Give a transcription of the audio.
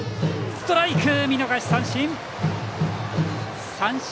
ストライク、見逃し三振！